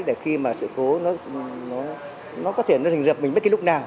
để khi mà sự cố nó có thể nó rình dập mình bất kỳ lúc nào